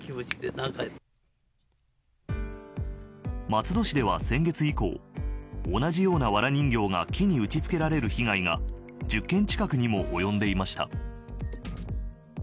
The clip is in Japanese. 松戸市では先月以降同じようなわら人形が木に打ち付けられる被害が１０件近くにも及んでいました。